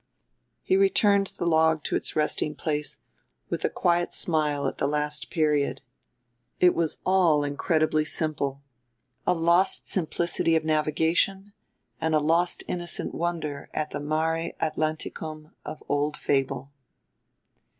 He returned the log to its resting place with a quiet smile at the last period. It was all incredibly simple a lost simplicity of navigation and a lost innocent wonder at the Mare Atlanticum of old fable.